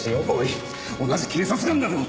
同じ警察官だろ？